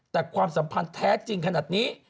แต่ความสัมพันธ์แท้จริงขนาดนี้